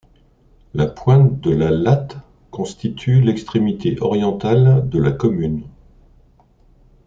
La pointe de la Latte constitue l'extrémité orientale de la commune.